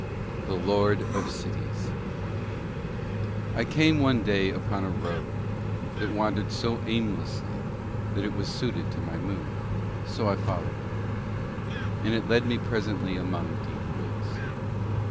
The Lord of Cities I came one day upon a road that wandered so aimlessly that it was suited to my mood, so I followed it, and it led me presently among deep woods.